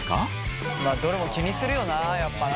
まあどれも気にするよなやっぱな。